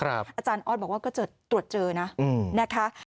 อาจารย์ออสบอกว่าก็จะตรวจเจอนะนะคะ